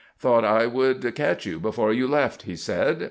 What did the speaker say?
"Thought I would catch you before you left," he said.